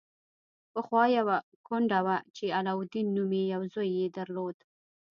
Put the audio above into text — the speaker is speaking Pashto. پخوا یوه کونډه وه چې علاوالدین نومې یو زوی یې درلود.